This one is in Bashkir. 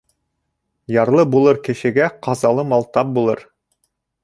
Ярлы булыр кешегә ҡазалы мал тап булыр.